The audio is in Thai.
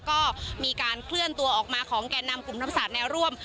ก็มีการเคลื่อนตัวออกมาของแก่นำกลุ่มธรรมศาสตร์แนวร่วม